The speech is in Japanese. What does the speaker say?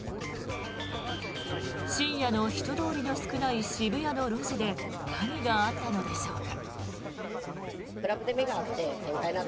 深夜の人通りの少ない渋谷の路地で何があったのでしょうか。